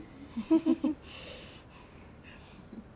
フフフ。